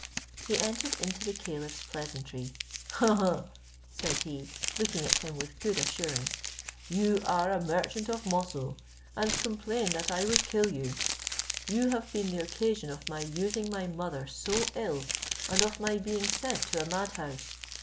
He entered into the caliph's pleasantry. "Ha! ha!" said he, looking at him with good assurance, "you are a merchant of Moussul, and complain that I would kill you; you have been the occasion of my using my mother so ill, and of my being sent to a mad house.